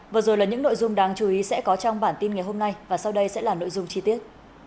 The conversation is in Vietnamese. vừa rồi là những nội dung đáng chú ý sẽ có trong bản tin ngày hôm nay và sau đây sẽ là nội dung chi tiết